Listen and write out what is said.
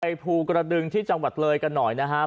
ภูกระดึงที่จังหวัดเลยกันหน่อยนะครับ